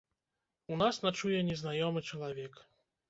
У нас начуе незнаёмы чалавек.